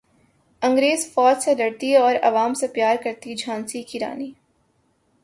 انگریز فوج سے لڑتی اور عوام سے پیار کرتی جھانسی کی رانی